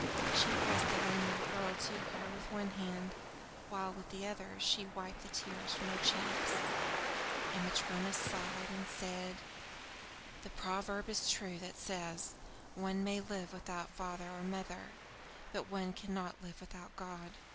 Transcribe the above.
She pressed the lame little girl to her with one hand, while with the other she wiped the tears from her cheeks. And Matryona sighed, and said: "The proverb is true that says, 'One may live without father or mother, but one cannot live without God.'"